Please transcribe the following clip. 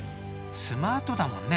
スマートだもんね